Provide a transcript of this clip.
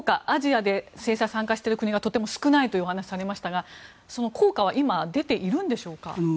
アジアで制裁に参加してる国がとても少ないというお話がありましたが効果は今出ているんでしょうか。